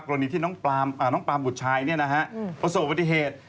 กรณีที่น้องปามบุตรชายประสบปฏิเหตุ